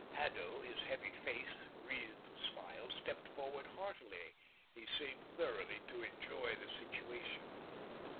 Haddo, his heavy face wreathed with smiles, stepped forward heartily. He seemed thoroughly to enjoy the situation.